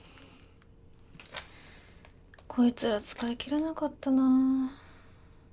こいつら使い切れなかったな。